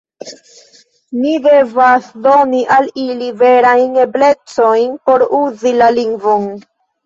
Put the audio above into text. Ni devas doni al ili verajn eblecojn por uzi la lingvon.